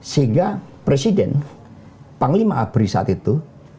sehingga presiden panglima abri saat itu